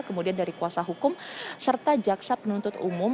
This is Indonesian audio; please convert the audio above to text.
kemudian dari kuasa hukum serta jaksa penuntut umum